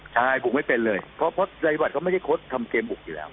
ใช่กูไม่เป็นเลยเพราะเพราะใดแบบเขาไม่ใช่โค้ชทำเกมอุ่งอยู่แล้ว